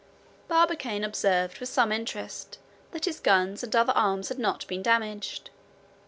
Barbicane observed with some interest that his guns and other arms had not been damaged.